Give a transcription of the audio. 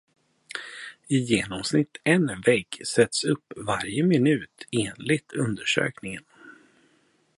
I genomsnitt en vägg sätts upp varje minut enligt undersökningen.